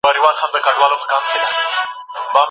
که انسان خپل ارزښت وپېژني نو تل به سرلوړی وي.